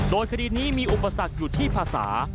โดยคดีนี้มีอุปสรรคอยู่ที่ภาษา